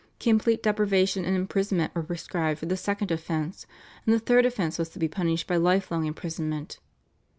Complete deprivation and imprisonment were prescribed for the second offence, and the third offence was to be punished by life long imprisonment.